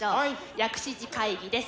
「薬師寺会議」です。